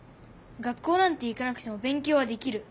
学校なんて行かなくてもべんきょうはできる。